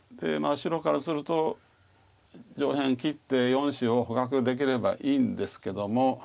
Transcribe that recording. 白からすると上辺切って４子を捕獲できればいいんですけども。